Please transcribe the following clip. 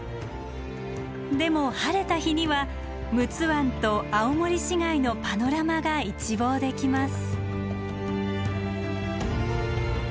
でも晴れた日には陸奥湾と青森市街のパノラマが一望できます。